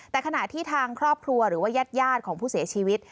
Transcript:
แต่ขณะที่ทางครอบครัวหรือว่าญาติของผู้เสียชีวิต